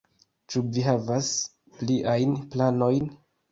Ĉu vi havas pliajn planojn?